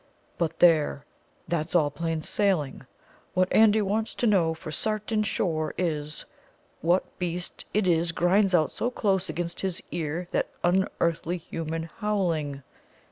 But, there! that's all plain sailing. What Andy wants to know for sartin sure is: what beast it is grinds out so close against his ear that unearthly human howling?